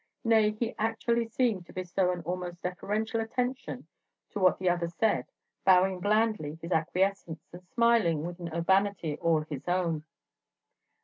Nay, he actually seemed to bestow an almost deferential attention to what the other said, bowing blandly his acquiescence, and smiling with an urbanity all his own.